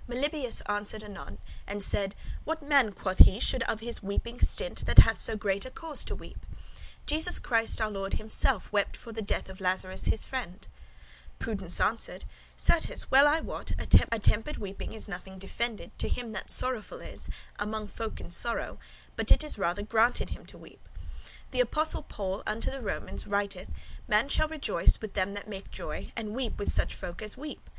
'" Melibœus answered anon and said: "What man," quoth he, "should of his weeping stint, that hath so great a cause to weep? Jesus Christ, our Lord, himself wept for the death of Lazarus his friend." Prudence answered, "Certes, well I wot, attempered [moderate] weeping is nothing defended [forbidden] to him that sorrowful is, among folk in sorrow but it is rather granted him to weep. The Apostle Paul unto the Romans writeth, 'Man shall rejoice with them that make joy, and weep with such folk as weep.